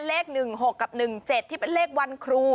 เลข๑๖กับ๑๗ที่เป็นเลขวันครู